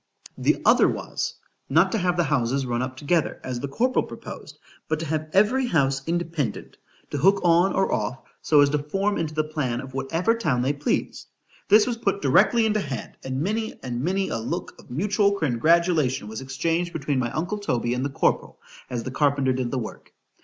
_ The other was, not to have the houses run up together, as the corporal proposed, but to have every house independent, to hook on, or off, so as to form into the plan of whatever town they pleased. This was put directly into hand, and many and many a look of mutual congratulation was exchanged between my uncle Toby and the corporal, as the carpenter did the work.